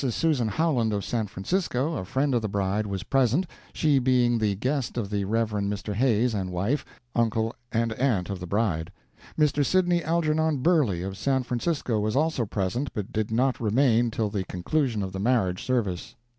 Susan Howland, of San Francisco, a friend of the bride, was present, she being the guest of the Rev. Mr. Hays and wife, uncle and aunt of the bride. Mr. Sidney Algernon Burley, of San Francisco, was also present but did not remain till the conclusion of the marriage service.